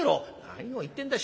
「何を言ってんだ？